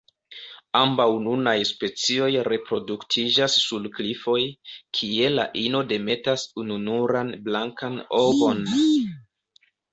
Ambaŭ nunaj specioj reproduktiĝas sur klifoj, kie la ino demetas ununuran blankan ovon.